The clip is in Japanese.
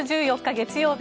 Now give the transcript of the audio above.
月曜日